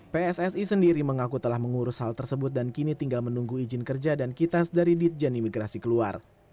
pssi sendiri mengaku telah mengurus hal tersebut dan kini tinggal menunggu izin kerja dan kitas dari ditjen imigrasi keluar